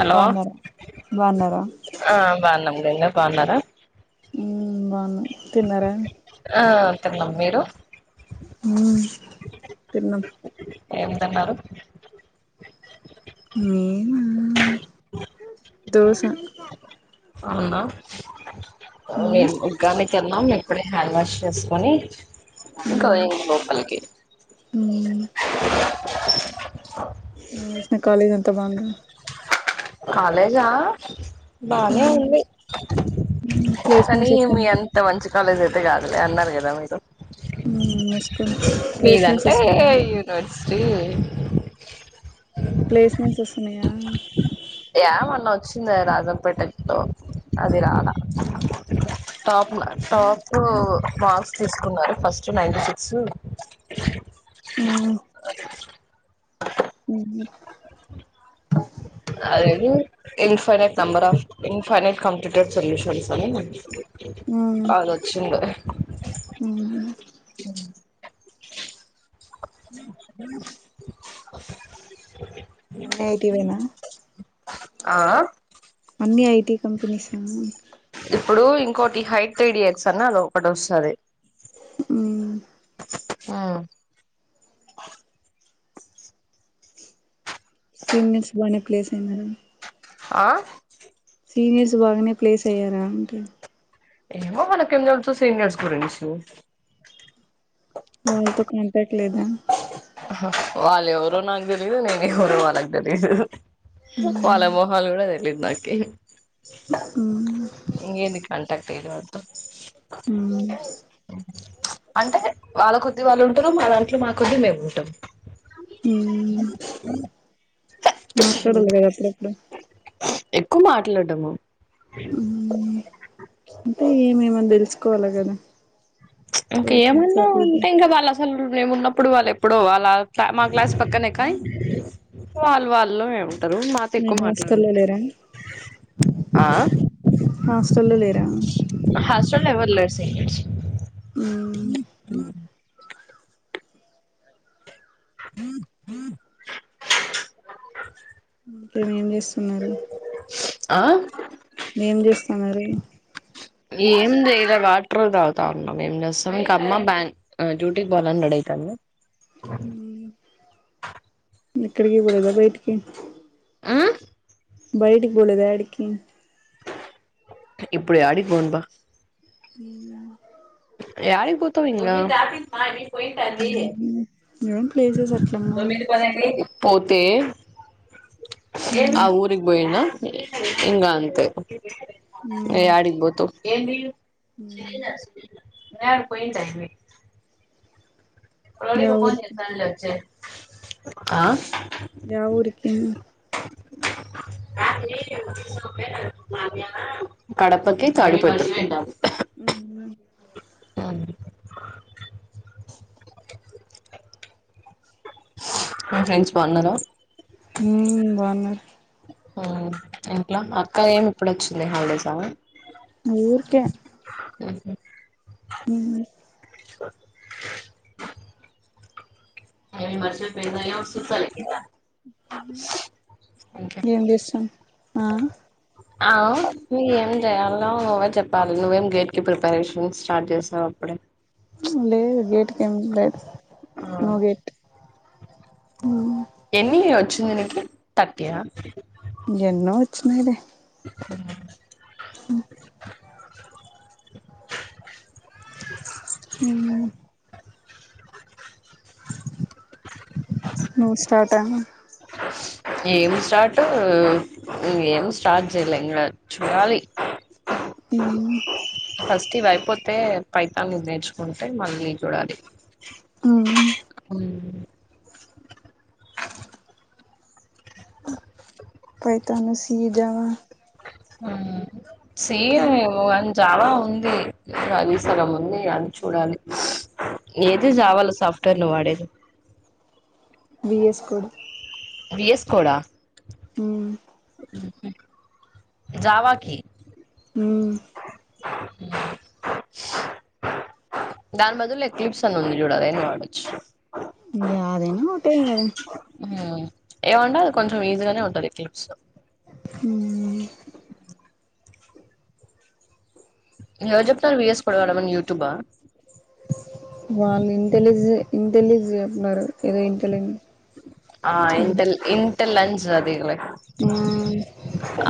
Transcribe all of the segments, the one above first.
Hello బాగున్నారా బాగున్నారా ఆ బాగున్నాం గంగా బాగున్నారా ఊమ్ బాగున్నం తిన్నరా ఆ తిన్నం మీరు ఊమ్ తిన్నాం ఏం తిన్నారు మేమా దోశ అవునా ఉమ్ మేము గార్మెంట్ కెళ్ళినం మేం ఇక్కడే హ్యాండ్ వాష్ చేసుకొని ఇంక పోయినం లోపలికి ఊమ్ [inaudible] జూసిన కాలేజ్ అంతా బాగుందా కాలేజా బానే ఉంది మ్మ్ కానీ ప్లేస్మెంట్స్ మీ వస్తున్నాయా అంత మంచి కాలేజ్ అయితే గాదులే అన్నారు కదా మీరు ఉమ్ ముస్కోండి ప్లేస్మెంట్స్ మీదంటే వస్తున్నయా [unintelligible] ప్లేస్మెంట్స్ వస్తున్నాయా యా మొన్న వచ్చిందే రాజంపేటకి లో అది రాల టాప్ టాప్ మార్క్స్ తీసుకున్నారు ఫస్ట్ నైన్టీ సిక్సు ఊమ్ ఉమ్ అదేది infinite number of infinite computer solutions అని అదొచ్చింది ఉహు ఉమ్ అన్నీ ఐటి వేన? ఆ అన్నీ ఐటీ కంపెనీసేనా? ఇప్పుడు ఇంకోటి హైట్ త్రీడి ఎక్స్ అని అదికటి వస్తది. ఉమ్ ఉమ్ సీనియర్స్ బానే ప్లేస్ అయింది మేడం ఆ సీనియర్స్ బాగానే ప్లేస్ అయ్యారా అంటి ఏమో మనకేం తెల్సు సినియర్స్ గురించి వాళ్ళతో కంఫర్ట్ లేదా వాళ్ళ ఎవరో నాకు తెలీద, నేను ఎవరో వాళ్ళకి తెలీదు. వాళ్ళ మోహల్ గుడా తెలిదు నాకి. ఉమ్ ఇంగెంది కాంటాక్ట్ ఇయ్యాలే వాళ్లతో ఉమ్ అంటే వాళ్ళ కోద్ది వాళ్ళు ఉంటరు, మా దాంట్లో మా కొద్ది మేము ఉంటాం మాట్లాడు గదా అప్పుడప్పుడు ఎక్కువ మాట్లాడ్డము ఉమ్ అంటే ఏమేమని తెలుసుకోవాలా గదా ఇంక ఏమన్నా ఇది ఉంటే ఇంకా వాళ్ళ అసలు మేము ఉన్నప్పుడు వాళ్లు ఎప్పుడో అలాంత మా క్లాస్ పక్కనే కానీ వాళ్ళు వాళ్ళు ఏమంటరు మాతో మీ ఎక్కువ మాట్లాడరు హాస్టల్లో లేరా ఆ హాస్టల్లో లేరా హస్టల్లో ఎవరు లేరు సీనియర్స్ ఉమ్ ఇంక ఏం చేస్తున్నరు? ఆ ఏం చేస్తనరు ఏం చేయేలే వాటర్ తాగుతా ఉన్నం, ఏం చేస్తం ఇంక అమ్మ బాన్ ఆ డ్యూటీ కి బోనన్నడు ఏకంగా ఇక్కడికి బోద బైటికి ఆ బయటికి పోలేదా ఏడికి ఇప్పుడు యాడికిపోనుబా ఉమ్ యాడిక్ పోతావ్ ఇంగ ఆ ఏవో ప్లేస అట్ల పోతే ఆ మ్మ్ ఊరికి పోయినా ఇంగ అంతె మ్మ్ యాడికి పోతం మ్మ్ ఆ పోయిండు అయిన యా ఊరికి ఆ ఏ ఊరికి కడపకి తాడిపత్రి ఉ మీ ఫ్రెండ్స్ బాగున్నారు ఉమ్ బాగున్నారు ఉమ్ ఇంట్ల అక్క ఏమి ఇప్పుడు వచ్చింది హాలిడేసా ఊర్కే ఉ ఉమ్ నేను మర్చిపోయిన ఏం లే చూస్తాలే కింద ఏం చేస్తావు ఆ ఆ నువ్ ఏం చేయాలో నువే చెప్పాలి నువ్వేం గేట్ కి ప్రిపరేషన్ స్టార్ట్ చేసావు అప్పుడే లేద్ గేట్ కి ఏం లేద్ నో గేట్ ఎన్ని వచ్చింది నీకి థర్టీ యా ఎన్నో వచ్చినై లే ఉ ఉ నువ్వు స్టార్ట్ ఆ ఏం స్టార్ట్ ఏం స్టార్ట్ చేయలే ఇంగ చూడాలి ఫస్ట్ ఇది అయిపోతే పైతాన్ నేర్చుకుంటే మళ్ళీ చూడాలి ఆ ఉమ్ పైతాన్ సీ జావా ఉ సిమ్మో అని జావ ఉంది అది సగం ఉంది అది చూడాలి ఏది జవాలో సాఫ్ట్వేర్ నువ్వు వాడేది విఎస్ కోడ్ విఎస్ కోడ్ ఆ జవాకి మ్ దాని బదులు ఎక్ క్లిప్స్ అది ఉంది చూడు ఏదైనా వాడొచ్చు యాదేనా ఒకటె ఇంగ ఏముండదు అది కొంచెం ఈజీగానే ఉంటది క్లిప్స్ ఉమ్ ఎవరు చెప్పినారు వి ఎస్ కోడ్ వాడమని యూటూబ్ ఆ వాళ్ళు ఇంటెలిజె ఇంటెలిజెన్ చెప్న్నారు ఏదో ఇంతలెంట్ ఆ ఇంటల్ ఇంట లంచ్ అదిగో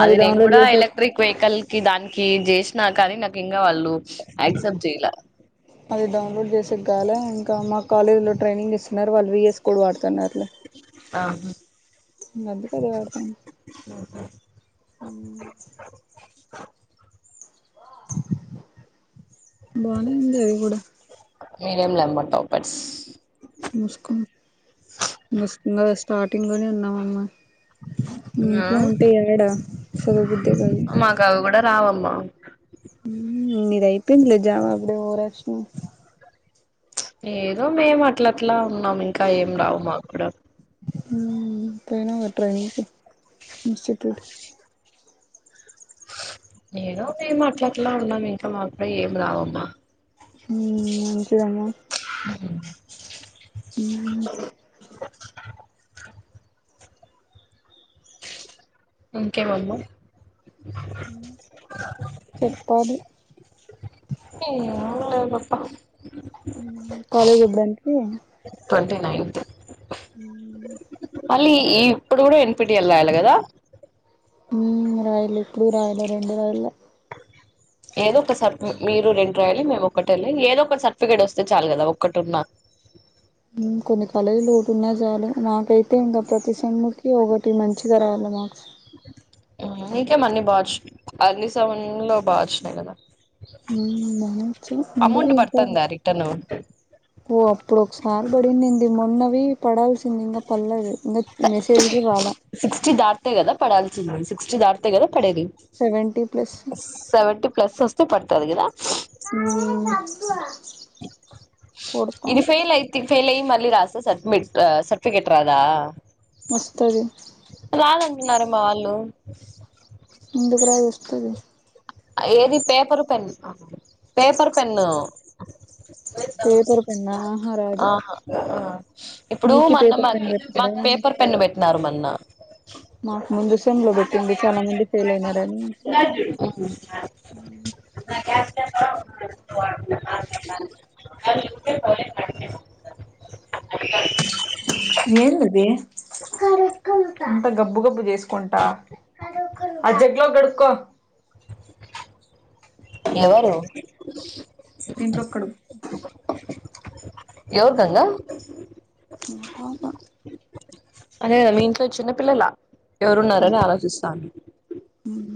అది నేన్ డౌన్లోడ్ కూడా చేసే ఎలక్ట్రిక్ వెహికల్ కి దానికీ చేసినా కానీ నాకు ఇంకా వాళ్ళు యాక్సప్ట్ చేయల అది డౌన్లోడ్ చేసేగాలా ఇంక మా కాలేజ్ లో ట్రైనింగ్ ఇస్సున్నారు వాళ్ళు వియోస్ కోడ్ వాడుతున్నారు ఆహా మంది కదే వాడత ఊహు ఊ బానే ఉంది అది కూడ మీరేలేమ్మ టాపర్స్ మూసుకో ఇంగ ఇంగా స్టార్టింగ్ లోనే ఉన్నాం అమ్మ ఇంట్లో ఉంటే ఆ ఎగడా చదవబుద్దే గాదు మాకు అవి కూడ రావమ్మా ఊ మీది అయిపోయింది లే జావ అప్పుడు ఓవరాక్షను ఏదో మేము అట్లట్లా ఉన్నాం ఇంకా ఏం రావు మా క్కూడా ఊ పోయినావ ట్రైనింగ్ కి ఇన్సిట్యూట్ ఏదో మేము అట్లట్లా ఉన్నాము ఇంకా మాక్కూడా ఏం రావమ్మ ఊ మంచిదమ ఊ ఇంకేమమ్మ చెప్పాలి ఏముందిలే నేన్ చెప్పా కాలేజ్ ఎప్పుడంటివి ట్వంటీ నైన్తు ఊ మళ్ళీ ఇప్పుడూ కూడ ఎంపీటి ఎల్లాలి కదా ఊ రాయలే ఇప్పుడు రాయలే రెండు రాయల్ల ఏదో ఒక సర్ప్ మీరు రెండు రాయాలి మేము ఒక్కటేళ్ళి ఏదో ఒక సర్టిఫికేట్ వస్తే చాలు కదా ఒక్కటున్నా ఊ కొన్ని కాలేజులు పోకున్నా చాలు నాకైతే ఇంకా ప్రతి సెమ్ముకి ఒకటి మంచ్ మంచిగా రావాలి మార్క్స్ ఇంకేమన్ని బా వచ్చినాయి అన్ని సెమ్లలో బా వచ్చినాయి కదా ఊ బా వచ్చాయ్ ముందుగా అమౌంట్ ఇంకా పడుతుందా రిటర్న్ ఓ అప్పుడు ఒకసారి పడింన్నింది మొన్నవీ పడాల్సింది ఇంకా పల్లేదు ఇంకా మెసేజ్ కూడ రాల సిక్స్టీ దాటితే కదా పడాల్సింది సిక్స్టీ దాటితే కదా పడేది సెవెంటీ ప్లస్ సెవెంటీ ప్లస్ వస్తే పడతది కదా ఊ ఇది ఫెయిల్ అయితి ఫెయిల్ అయ్ మళ్ళీ రాస్తే సబ్మిట్ సర్టిఫికేట్ రాదా వస్తది రాదంటున్నారే మా వాళ్ళు ఎందుకు రాదు వస్తది ఏది పేపరు పెన్ పేపర్ పెన్నూ పేపర్ పెన్నా ఆహా రాదు ఆహా ఆ ఇప్పుడూ మీకి మన్న పేపర్ పెన్ మాకి మాకు పెట్టినారా పేపర్ పెన్ను పెట్టినారు మొన్న మాకు ముందు సమ్ లో పెట్టిండ్రి చాలా మంది ఫెయిల్ అయినారనీ నా గ్యాస్ స్టవ్ కూడా ఒక ప్రస్తుతం వాడుతున్నా పాత కాలం. అవి ఉంటే టోలెట్ కట్టేసుకుంటాను. అది కాదు. ఏందది అంత గబ్బు గబ్బు జెస్ కుంటా అ జగ్లో గడ్కో ఎవరు దీంట్లోకి కడుగు ఎవరు గంగా మా పాప అదే కదా మీ ఇంట్లో చిన్న పిల్లలా ఎవరున్నారని ఆలోచిస్తాను ఉం